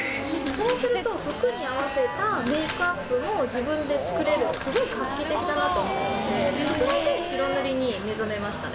そうすると、服に合わせたメークアップも自分で作れる、すごい画期的だなと思って、それで白塗りに目覚めましたね。